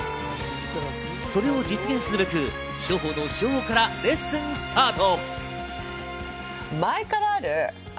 それを実現すべく、初歩の初歩からレッスン、スタート。